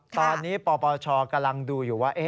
ตอนนี้ปปชกำลังดูอยู่ว่า